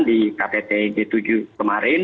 di ktt g tujuh kemarin